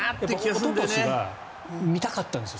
おととしは見たかったんですよ。